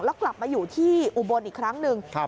แล้วกลับมาอยู่ที่อุบลอีกครั้งหนึ่ง